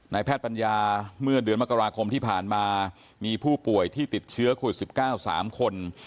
แพทย์ปัญญาเมื่อเดือนมกราคมที่ผ่านมามีผู้ป่วยที่ติดเชื้อโควิด๑๙๓คน